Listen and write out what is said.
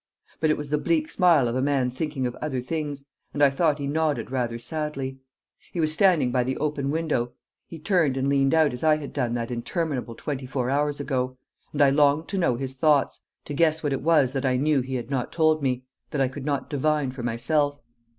But it was the bleak smile of a man thinking of other things, and I thought he nodded rather sadly. He was standing by the open window; he turned and leant out as I had done that interminable twenty four hours ago; and I longed to know his thoughts, to guess what it was that I knew he had not told me, that I could not divine for myself.